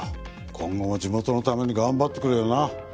今後も地元のために頑張ってくれよな。